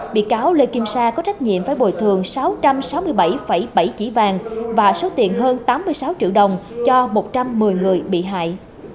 bị cáo lê kim sa có trách nhiệm phải bồi thường sáu trăm sáu mươi bảy bảy chỉ vàng và số tiền hơn tám mươi sáu triệu đồng cho một trăm một mươi người bị hại